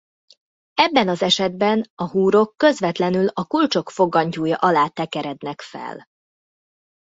Ebben az esetben a húrok közvetlenül a kulcsok fogantyúja alá tekerednek fel.